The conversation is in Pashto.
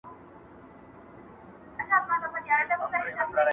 ماسومان حيران ولاړ وي چوپ تل.